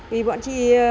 vì bọn chị